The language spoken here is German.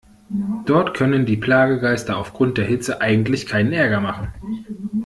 Dort können die Plagegeister aufgrund der Hitze eigentlich keinen Ärger machen.